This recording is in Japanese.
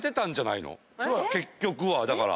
結局はだから。